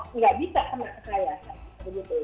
tidak bisa kena kekayaan